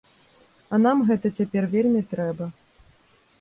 А нам гэта цяпер вельмі трэба.